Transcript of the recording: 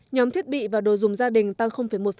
nhóm thiết bị và đồ dùng gia đình tăng một